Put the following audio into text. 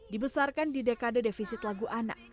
dibesarkan di dekade defisit lagu anak